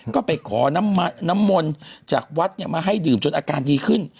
ก็ไปขอน้ำมนต์จากวัดมาให้ดื่มจนอาการดีขึ้น